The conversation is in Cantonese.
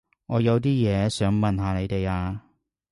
我有啲嘢想問下你哋啊